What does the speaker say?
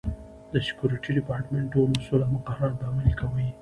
د سکورټي ډیپارټمنټ ټول اصول او مقررات به عملي کوي.